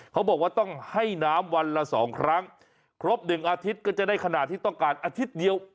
เขาบอกว่าต้องให้น้ำวันละสองครั้งครบ๑อาทิตย์ก็จะได้ขนาดที่ต้องการอาทิตย์เดียว